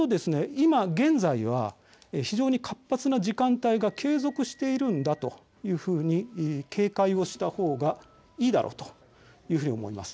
今、現在は非常に活発な時間帯が継続しているんだというふうに警戒をしたほうがいいだろうというふうに思います。